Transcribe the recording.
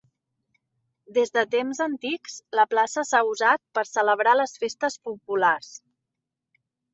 Des de temps antics, la plaça s'ha usat per celebrar les festes populars.